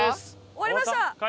終わりました！